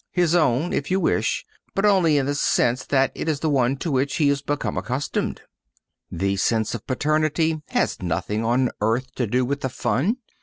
His own, if you wish, but only in the sense that it is the one to which he has become accustomed. The sense of paternity has nothing on earth to do with the fun.